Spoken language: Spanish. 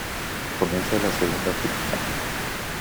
Comienza la segunda Fitna.